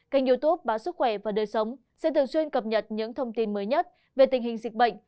kênh youtube báo sức khỏe và đời sống sẽ thường xuyên cập nhật những thông tin mới nhất về tình hình dịch bệnh